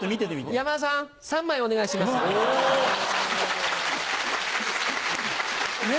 山田さん３枚お願いします。ね？